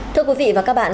thưa quý vị và các bạn